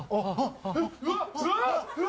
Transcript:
うわ！